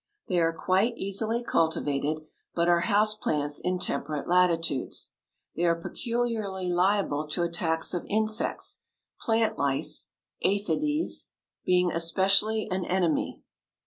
They are quite easily cultivated, but are house plants in temperate latitudes. They are peculiarly liable to attacks of insects, plant lice (Aphides) being especially an enemy.